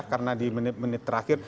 karena di menit menit terakhir